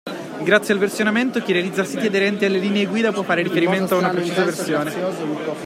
Grazie al versionamento, chi realizza siti aderenti alle linee guida può fare riferimento ad una precisa versione.